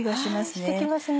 して来ますね。